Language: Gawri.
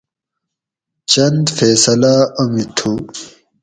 چند فیصلاۤ امی تُھو